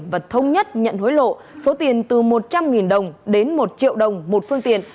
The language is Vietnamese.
và thông nhất nhận hối lộ số tiền từ một trăm linh đồng đến một triệu đồng một phương tiện